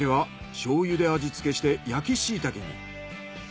醤油で味付けして焼きシイタケに。